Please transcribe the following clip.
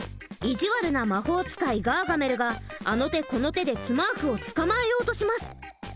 意地悪な魔法使いガーガメルがあの手この手でスマーフをつかまえようとします。